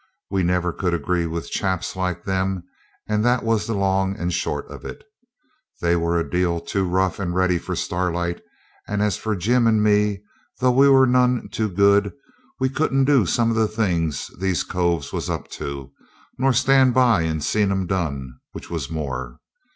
We never could agree with chaps like them, and that was the long and short of it. They were a deal too rough and ready for Starlight; and as for Jim and me, though we were none too good, we couldn't do some of the things these coves was up to, nor stand by and see 'em done, which was more.